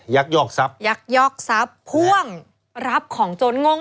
ยักยอกทรัพย์พ่วงรับของโจรงงง